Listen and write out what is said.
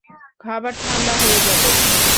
খাবার ঠাণ্ডা হয়ে যাবে!